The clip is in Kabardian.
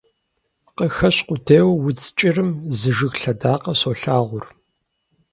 Къыхэщ къудейуэ удз кӀырым, Зы жыг лъэдакъэ солъагъур.